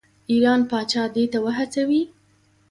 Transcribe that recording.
ایران پاچا دې ته وهڅوي.